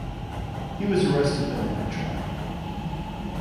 He was arrested but never tried.